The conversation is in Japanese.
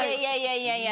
いやいや！